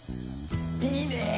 いいね！